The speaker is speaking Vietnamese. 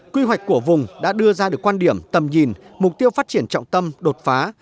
quy hoạch của vùng đã đưa ra được quan điểm tầm nhìn mục tiêu phát triển trọng tâm đột phá